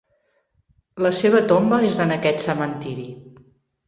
"La seva tomba és en aquest cementiri."